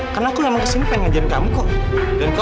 karena aku kesini pengen ngajarin kamu kok